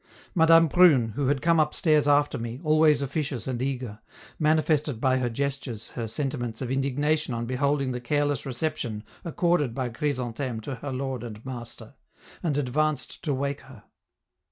Madame Prune, who had come upstairs after me, always officious and eager, manifested by her gestures her sentiments of indignation on beholding the careless reception accorded by Chrysantheme to her lord and master, and advanced to wake her.